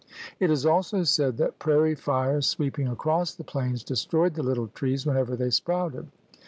It is also said that prairie fires sweeping across the plains destroyed the little trees whenever they sprouted.